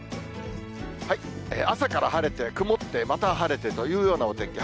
朝から晴れて、曇って、また晴れてというようなお天気。